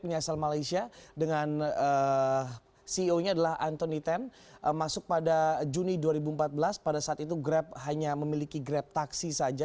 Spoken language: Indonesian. penya asal malaysia dengan ceo nya adalah anthony ten masuk pada juni dua ribu empat belas pada saat itu grab hanya memiliki grab taksi saja